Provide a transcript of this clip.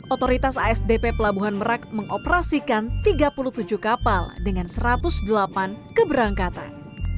otoritas asdp pelabuhan merak mengoperasikan tiga puluh tujuh kapal dengan satu ratus delapan keberangkatan